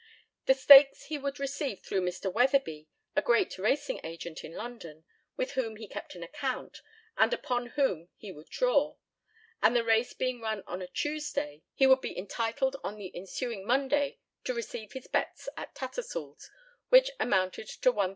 The stakes he would receive through Mr. Weatherby, a great racing agent in London, with whom he kept an account, and upon whom he would draw; and, the race being run on a Tuesday, he would be entitled on the ensuing Monday to receive his bets at Tattersall's, which amounted to £1,020.